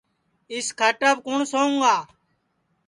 اِس کھاٹاپ کُوٹؔ سوُں گا